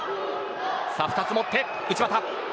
２つ持って内股。